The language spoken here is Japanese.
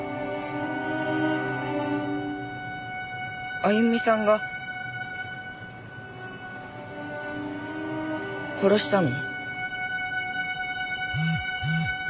あゆみさんが殺したの？